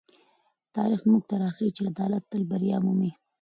تاریخ موږ ته راښيي چې عدالت تل بریا مومي.